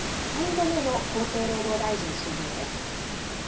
３度目の厚生労働大臣就任です。